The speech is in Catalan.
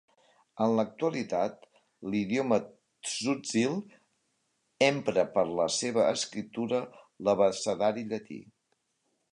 En l'actualitat l'idioma tzotzil empra per a la seva escriptura l'abecedari llatí.